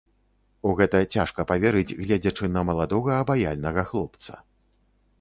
У гэта цяжка паверыць, гледзячы на маладога, абаяльнага хлопца.